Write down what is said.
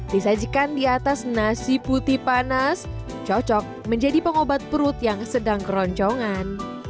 disajikan di atas nasi putih panas cocok menjadi pengobat perut yang sedang keroncongan